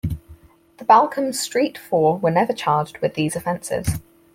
The Balcombe Street Four were never charged with these offences.